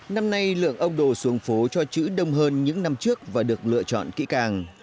năm nay lượng ông đồ xuống phố cho chữ đông hơn những năm trước và được lựa chọn kỹ càng